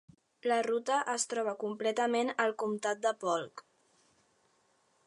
La ruta es troba completament al comptat de Polk.